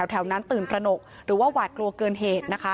แถวนั้นตื่นตระหนกหรือว่าหวาดกลัวเกินเหตุนะคะ